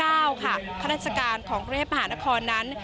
ข้าราชการของกรุงเทพมหานครนั้น